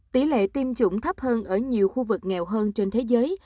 tỷ lệ tiêm chủng thấp hơn ở nhiều khu vực nghèo hơn trên thế giới